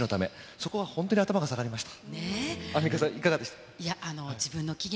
そこは本当に頭が下がりました。